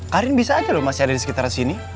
karin bisa aja loh masih ada di sekitar sini